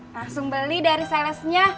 langsung beli dari salesnya